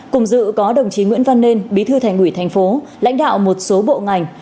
cùng dự có đồng chí nguyễn văn nên bí thư thành ủy thành phố lãnh đạo một số bộ ngành